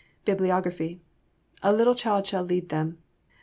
BIBLIOGRAPHY A Little Child Shall Lead Them.